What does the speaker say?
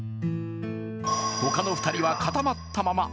他の２人は固まったまま。